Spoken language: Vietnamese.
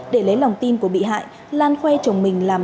để lấy lòng tin của bị hại lan khoe chồng mình làm